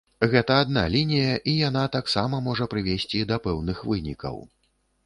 Гэта адна лінія і яна таксама можа прывесці да пэўных вынікаў.